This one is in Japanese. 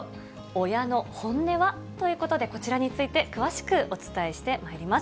親の本音は？ということで、こちらについて詳しくお伝えしてまいります。